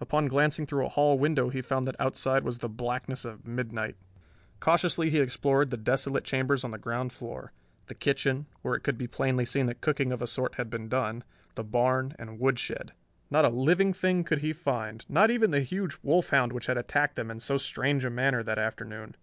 Upon glancing through a hall window he found that outside was the blackness of midnight. Cautiously he explored the desolate chambers on the ground floor: the kitchen where it could be plainly seen that cooking of a sort had been done the barn, and woodshed. Not a living thing could he find, not even the huge wolf hound which had attacked them in so strange a manner that afternoon.